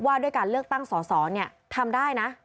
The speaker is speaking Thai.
ว่าด้วยการเลือกตั้งสอสอทำได้นะ